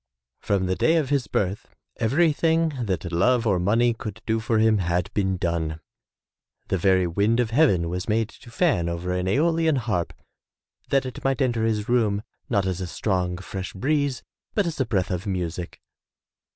From the day of his birth everything that love or money could do for him had been done. The very wind of heaven was made to fan over an aeolian harp that it might enter his room, not as a strong, fresh breeze, but as a breath of music.